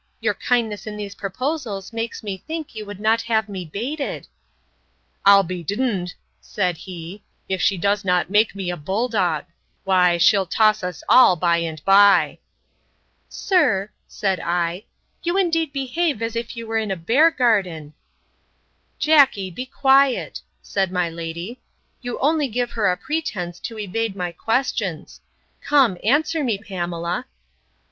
Your kindness in these proposals makes me think you would not have me baited. I'll be d——d, said he, if she does not make me a bull dog! Why she'll toss us all by and by! Sir, said I, you indeed behave as if you were in a bear garden. Jackey, be quiet, said my lady. You only give her a pretence to evade my questions. Come, answer me, Pamela.